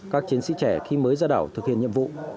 các chiến sĩ trẻ khi mới ra đảo thực hiện nhiệm vụ